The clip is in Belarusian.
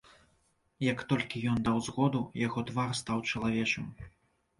Як толькі ён даў згоду, яго твар стаў чалавечым.